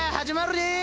始まるで！